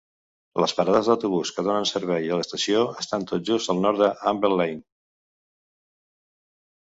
Les parades d'autobús que donen servei a l'estació estan tot just al nord d'Hamble Lane.